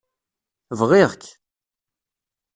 BƔiƔ-k.